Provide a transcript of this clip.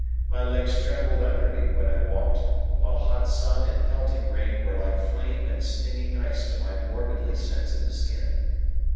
My legs trembled under me when I walked, while hot sun and pelting rain were like flame and stinging ice to my morbidly sensitive skin.